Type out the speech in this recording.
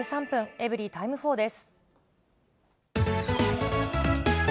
エブリィタイム４です。